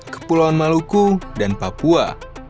kepulauan maluku dan papua